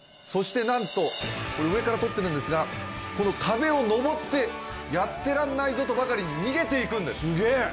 そしてなんとこれ上から撮ってるんですがこの壁をのぼって「やってらんないぞ」とばかりに逃げていくんですすげえ！